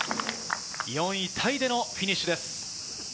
４位タイでのフィニッシュです。